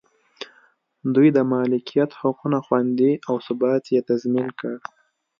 دوی د مالکیت حقونه خوندي او ثبات یې تضمین کړ.